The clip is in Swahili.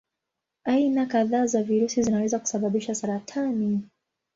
Aina kadhaa za virusi zinaweza kusababisha saratani.